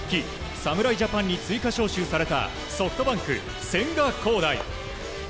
侍ジャパンに追加招集されたソフトバンク、千賀滉大。